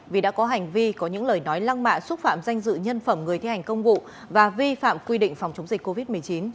vì đã có hành vi có những lời nói lăng mạ xúc phạm danh dự nhân phẩm người thi hành công vụ và vi phạm quy định phòng chống dịch covid một mươi chín